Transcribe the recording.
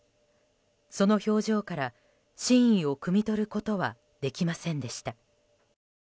その表情から真意をくみ取ることはできませんでした。